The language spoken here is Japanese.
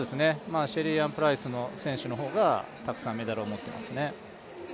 シェリーアン・フレイザー・プライス選手の方がたくさんメダルを持っていますね。